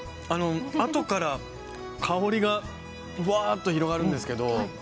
あとから香りがわーっと広がるんですけど。